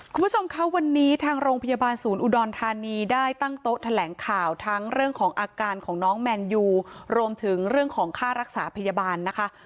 คุณผู้ชมคะวันนี้ทางโรงพยาบาลศูนย์อุดรธานีได้ตั้งโต๊ะแถลงข่าวทั้งเรื่องของอาการของน้องแมนยูรวมถึงเรื่องของค่ารักษาพยาบาลนะคะ